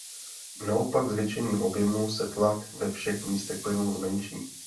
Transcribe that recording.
Naopak "zvětšením" objemu se tlak ve všech místech plynu "zmenší".